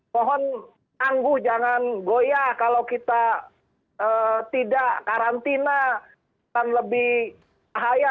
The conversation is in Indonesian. mohon tangguh jangan goyah kalau kita tidak karantina akan lebih bahaya